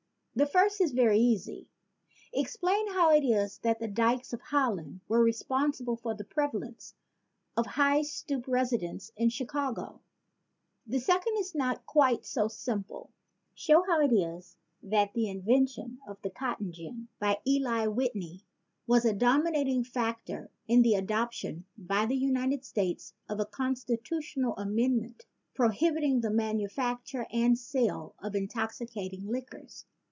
The first is very easy: Explain how it is that the dykes of Holland were responsible for the prevalence of high stoop residences in Chicago. The second is not quite so simple: Show how it is that the 141 ON THE LENGTH OF CLEOPATRA'S NOSE invention of the cotton gin by Eli Whitney was a dominating factor in the adoption by the United States of a constitutional amendment prohibiting the manufacture and sale of intoxi cating liquors.